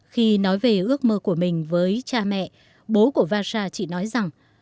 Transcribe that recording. khi nói về ước mơ của mình với cha mẹ bố của vasha chỉ nói rằng